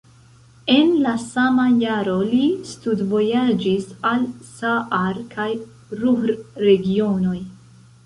En la sama jaro li studvojaĝis al Saar kaj Ruhr-regionoj.